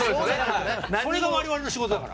それが我々の仕事だから。